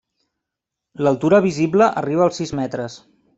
L'altura visible arriba als sis metres.